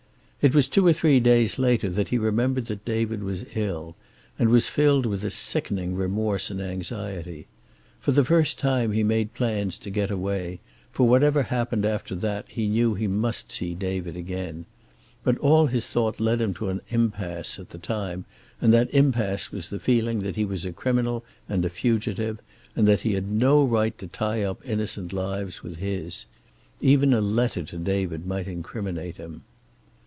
It was two or three days later that he remembered that David was ill, and was filled with a sickening remorse and anxiety. For the first time he made plans to get away, for whatever happened after that he knew he must see David again. But all his thought led him to an impasse at that time, and that impasse was the feeling that he was a criminal and a fugitive, and that he had no right to tie up innocent lives with his. Even a letter to David might incriminate him.